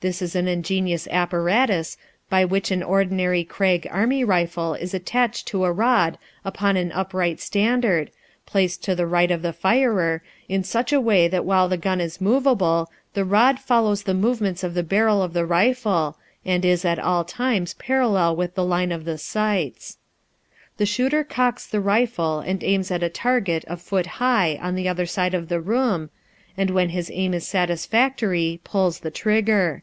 This is an ingenious apparatus, by which an ordinary Krag army rifle is attached to a rod upon an upright standard, placed to the right of the firer, in such a way that while the gun is movable, the rod follows the movements of the barrel of the rifle, and is at all times parallel with the line of the sights. The shooter cocks the rifle and aims at a target a foot high on the other side of the room, and when his aim is satisfactory, pulls the trigger.